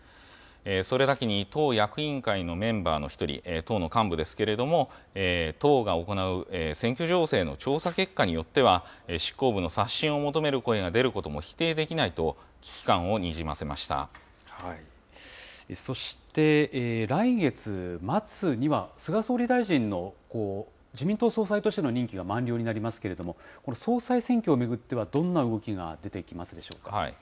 それだけに、党役員会のメンバーの一人、党の幹部ですけれども、党が行う選挙情勢の調査結果によっては、執行部の刷新を求める声が出ることも否定できないと、危そして、来月末には菅総理大臣の自民党総裁としての任期が満了になりますけれども、この総裁選挙を巡ってはどんな動きが出てきますでしょうか。